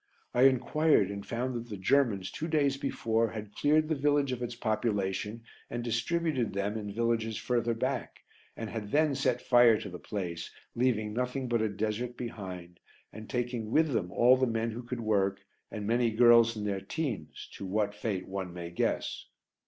I enquired and found that the Germans, two days before, had cleared the village of its population and distributed them in villages further back, and had then set fire to the place, leaving nothing but a desert behind, and taking with them all the men who could work and many girls in their teens to what fate one may guess.